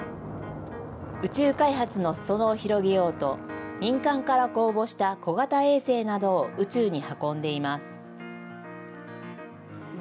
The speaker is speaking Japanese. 宇宙開発のすそ野を広げようと、民間から公募した小型衛星などを宇宙に運んでいます。